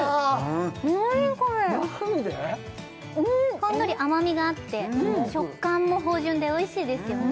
ほんのり甘みがあって食感も芳じゅんでおいしいですよねね！